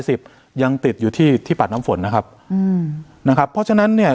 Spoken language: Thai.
สิบยังติดอยู่ที่ที่ปัดน้ำฝนนะครับอืมนะครับเพราะฉะนั้นเนี้ย